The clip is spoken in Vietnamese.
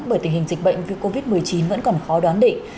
bởi tình hình dịch bệnh covid một mươi chín vẫn còn khó đoán định